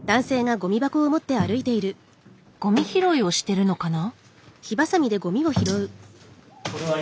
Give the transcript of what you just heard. ゴミ拾いをしてるのかな？